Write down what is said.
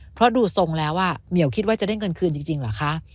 เพราะดูทรงแล้วเหมียวคิดว่าจะได้เงินคืนจริงเหรอคะ